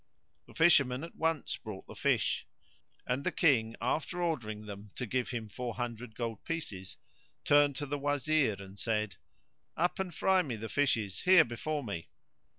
The Fisherman at once brought the fish: and the King, after ordering them to give him four hundred gold pieces, turned to the Wazir and said, "Up and fry me the fishes here before me!"